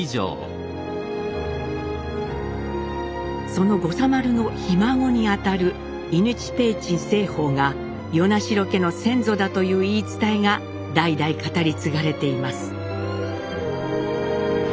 その護佐丸のひ孫にあたる伊貫親雲上盛方が与那城家の先祖だという言い伝えが代々語り継がれています。